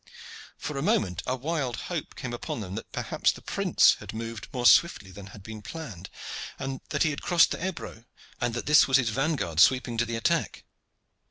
For a moment a wild hope came upon them that perhaps the prince had moved more swiftly than had been planned, that he had crossed the Ebro, and that this was his vanguard sweeping to the attack.